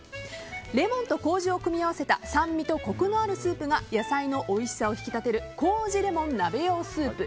レモンと糀を組み合わせた酸味とコクのあるスープが野菜のおいしさを引き立てる糀レモン鍋用スープ。